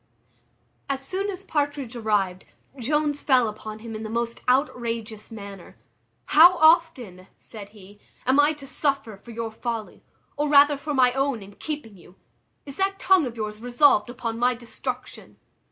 As soon as Partridge arrived, Jones fell upon him in the most outrageous manner. "How often," said he, "am I to suffer for your folly, or rather for my own in keeping you? is that tongue of yours resolved upon my destruction?"